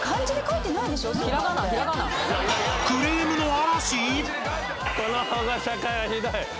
クレームの嵐？